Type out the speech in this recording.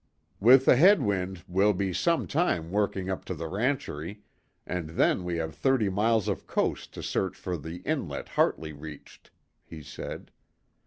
"With a head wind, we'll be some time working up to the rancherie, and then we have thirty miles of coast to search for the inlet Hartley reached," he said.